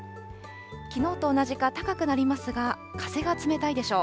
きのうと同じか高くなりますが、風が冷たいでしょう。